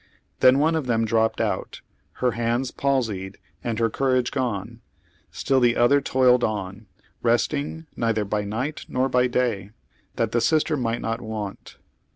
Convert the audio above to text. Then one of them dropped out, lier hands palsied and her courage gone. Still tlie other toiled on, resting neither by night nor by day, that the sister might not want.